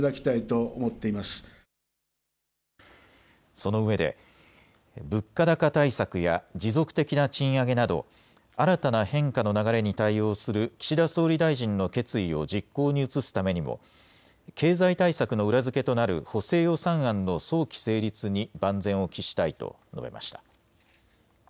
そのうえで物価高対策や持続的な賃上げなど新たな変化の流れに対応する岸田総理大臣の決意を実行に移すためにも経済対策の裏付けとなる補正予算案の早期成立に万全を期したいと述べました。